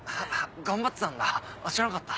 頑張ってたんだ知らなかった。